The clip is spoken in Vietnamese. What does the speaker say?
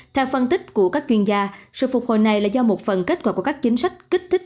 theo phân tích của các chuyên gia sự phục hồi này là do một phần kết quả của các chính sách kích thích